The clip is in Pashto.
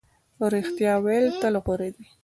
رښتیا ویل تل غوره وي.